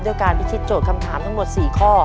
การพิชิตโจทย์คำถามทั้งหมด๔ข้อ